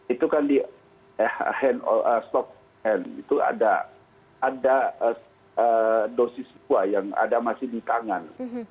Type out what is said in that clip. itu kan di stock hand itu ada dosis dua yang ada masih di tangan